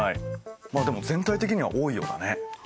まあでも全体的には多いようだね。